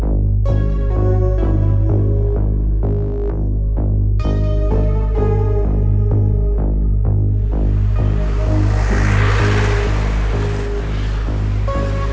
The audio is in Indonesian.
terus kembali ke rumah bapak